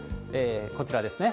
こちらですね。